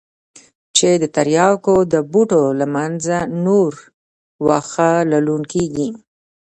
چې د ترياکو د بوټو له منځه نور واښه للون کېږي.